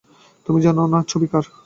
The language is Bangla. তুমি জান না ছবি কার?